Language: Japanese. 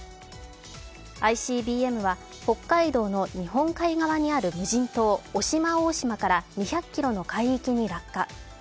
ＩＣＢＭは北海道の日本海側にある無人島、渡島大島から２００ｋｍの海域に落下。